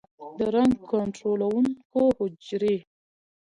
د رنګ کنټرولونکو حجرې